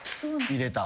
入れた。